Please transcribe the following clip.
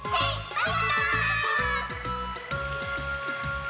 バイバーイ！